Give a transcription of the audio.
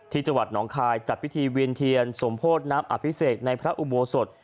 ที่จังหวัดหนองคายจัดพิธีเวียนเทียนสมโพธิน้ำอภิเษกในพระอุโบสถ